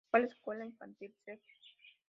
Fue a la escuela infantil St.